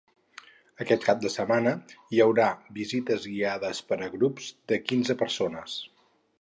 Aquest cap de setmana hi haurà visites guiades per a grups de quinze persones.